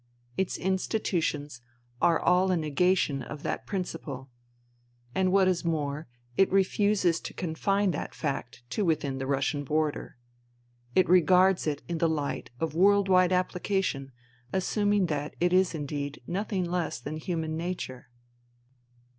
Its institutions are all a negation of that principle. And what is more, it refuses to confine that fact to within the Russian border. It regards it in the hght of world wide application, assuming that it is indeed nothing less than human nature.